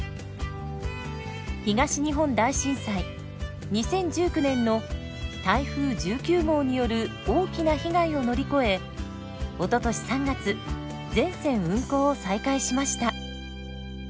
東日本大震災２０１９年の台風１９号による大きな被害を乗り越えおととし３月全線運行を再開しました。